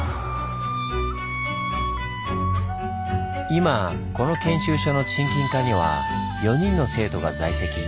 今この研修所の沈金科には４人の生徒が在籍。